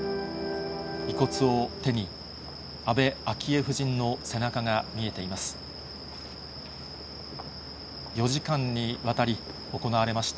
遺骨を手に、安倍昭恵夫人の背中が見えています。